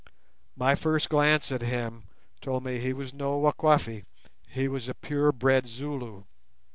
My first glance at him told me that he was no Wakwafi: he was a pure bred Zulu.